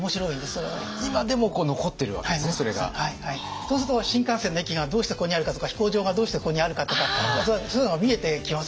そうすると新幹線の駅がどうしてここにあるかとか飛行場がどうしてここにあるかとかそういうのが見えてきますよね。